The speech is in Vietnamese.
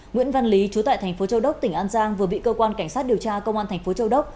nguyễn văn lý chú tại tp châu đốc tỉnh an giang vừa bị cơ quan cảnh sát điều tra công an tp châu đốc